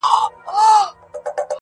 چوروندک ته هره ورځ راتلل عرضونه؛